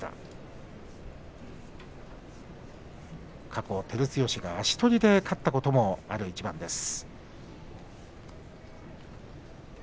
過去照強が足取りで勝ったこともある一番です。